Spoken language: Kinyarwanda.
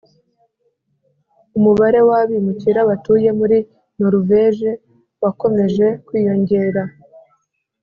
umubare w abimukira batuye muri Noruveje wakomeje kwiyongera